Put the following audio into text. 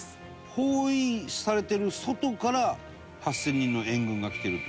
包囲されてる外から８０００人の援軍が来てるっていう事だね。